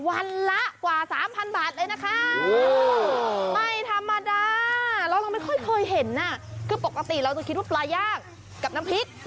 วันละกว่า๓๐๐บาทเลยนะคะไม่ธรรมดาแล้วเราไม่ค่อยเคยเห็นน่ะคือปกติเราจะคิดว่าปลาย่างกับน้ำพริก